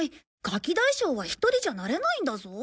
ガキ大将は１人じゃなれないんだぞ！